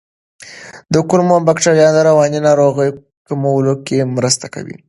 د کولمو بکتریاوې د رواني ناروغیو کمولو کې مرسته کوي.